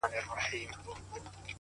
تا داسې زه غوښتنه خپله دا دی خواره سوې-